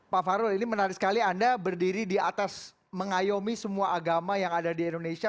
pak farul ini menarik sekali anda berdiri di atas mengayomi semua agama yang ada di indonesia